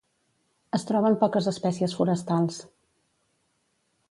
Es troben poques espècies forestals.